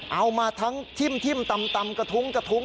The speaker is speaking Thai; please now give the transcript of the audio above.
เอามาทั้งทิ่มตำกระทุ้งกระทุ้ง